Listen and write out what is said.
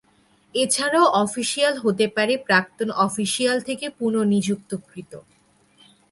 এছাড়াও অফিসিয়াল হতে পারে প্রাক্তন অফিসিয়াল থেকে পুননিযুক্তকৃত।